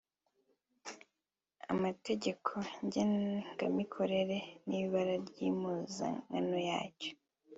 amategeko ngengamikorere n’ibara ry’impuzankano yacyo